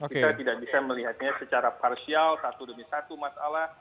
kita tidak bisa melihatnya secara parsial satu demi satu masalah